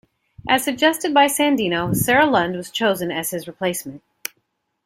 As suggested by Sandeno, Sara Lund was chosen as his replacement.